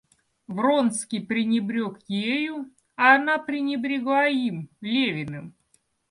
Вронский пренебрег ею, а она пренебрегла им, Левиным.